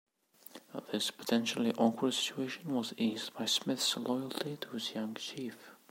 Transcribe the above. This potentially awkward situation was eased by Smith's loyalty to his young chief.